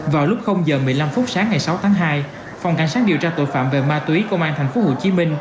vào lúc giờ một mươi năm phút sáng ngày sáu tháng hai phòng cảnh sát điều tra tội phạm về ma túy công an tp hcm